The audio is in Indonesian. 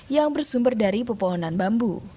yang bersumber dari pepohonan bambu